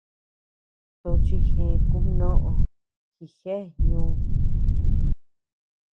Tochi gë kubnoʼö jigea ñu.